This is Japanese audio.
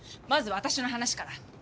まず私の話から。